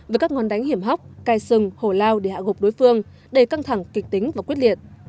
với các ngón đánh hiểm hóc cai sừng hổ lao để hạ gục đối phương đầy căng thẳng kịch tính và quyết liệt